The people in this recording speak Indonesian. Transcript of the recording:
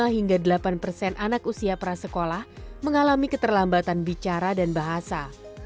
lima hingga delapan persen anak usia prasekolah mengalami keterlambatan bicara dan bahasa